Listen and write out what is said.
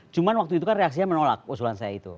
cuma waktu itu kan reaksinya menolak usulan saya itu